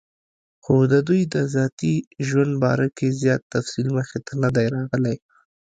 خو دَدوي دَذاتي ژوند باره کې زيات تفصيل مخې ته نۀ دی راغلی